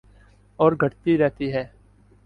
اور گھٹتی رہتی ہے